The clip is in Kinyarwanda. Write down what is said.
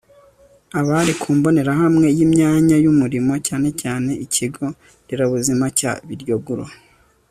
abari ku mbonerahamwe y'imyanya y'umurimo cyane cyane ikigo nderabuzima cya biryoglo